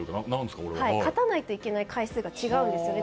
勝たないといけない回数が違うんですよね。